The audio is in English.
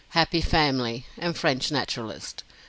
HAPPY FAMILY. FRENCH NATURALIST.